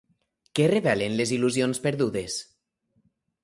Què revelen les il·lusions perdudes?